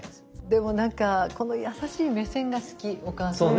でも何かこの優しい目線が好きお母さんの。